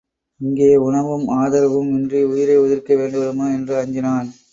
இங்கே உணவும் ஆதரவும் இன்றி உயிரை உதிர்க்க வேண்டி விடுமோ என்று அஞ்சினான்.